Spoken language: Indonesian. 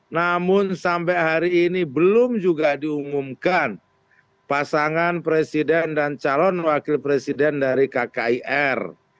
namun sampai hari ini belum juga diumumkan pasangan presiden dan calon wakil presiden dari kkir